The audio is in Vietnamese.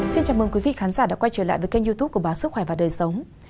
xin chào mừng quý vị khán giả đã quay trở lại với kênh youtube của báo sức khỏe và đời sống